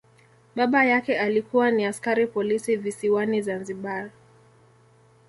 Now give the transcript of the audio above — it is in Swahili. Baba yake alikuwa ni askari polisi visiwani Zanzibar.